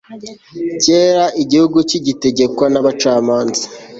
kera, igihugu kigitegekwa n'abacamanza